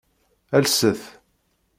Lset.